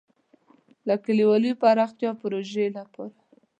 د کلیوالي پراختیا پروژې لپاره.